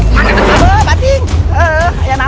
sekarang tahun ini kita akan berada di jawa tengah